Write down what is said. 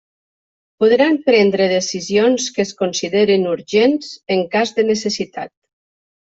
Podran prendre decisions que es consideren urgents en cas de necessitat.